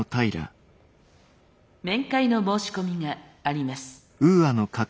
面会の申し込みがあります。